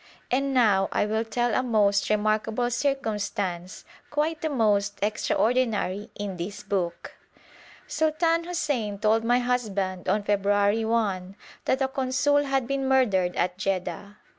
And now I will tell a most remarkable circumstance, quite the most extraordinary in this book. Sultan Hussein told my husband on February 1 that a consul had been murdered at Jedda.